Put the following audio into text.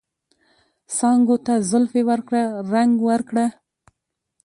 څانګو ته زلفې ورکړه ، رنګ ورکړه